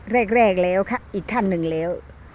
แรกแล้วอีกขั้นนึงแล้ว